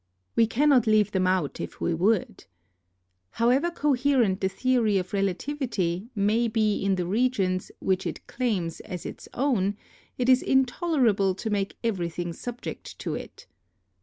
We cannot leave them out if we would. However coherent the theory of relativity may be in the regions which it claims as its AND RELATIVITY 19 own, it is intolerable to make everything subject to it.